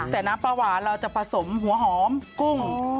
แต่น้ำปลาหวานเราจะผสมหัวหอมกุ้ง